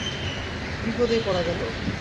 কী বিপদেই পড়া গেল!